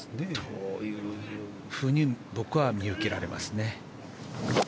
というふうに僕は見受けられますね。